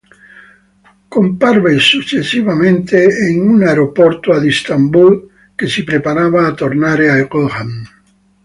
Comparve successivamente in un aeroporto ad Istanbul che si preparava a tornare a Gotham.